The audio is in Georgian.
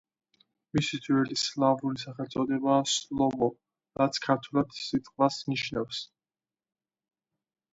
მისი ძველი სლავური სახელწოდებაა „სლოვო“, რაც ქართულად სიტყვას ნიშნავს.